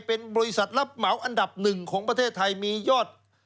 เป็นบริษัทรับเหมาอันดับหนึ่งของประเทศไทยมียอด